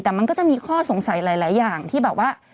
แต่มันก็จะมีข้อสงสัยหลายอย่างที่แบบว่า